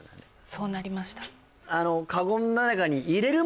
そうなりました